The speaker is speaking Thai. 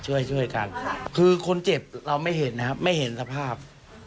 ช่วยกันคือคนเจ็บเราไม่เห็นนะครับไม่เห็นสภาพ